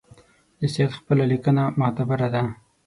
د سید خپله لیکنه معتبره ده.